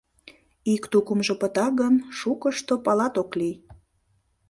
Ик тукымжо пыта гын, шукышто палат ок лий.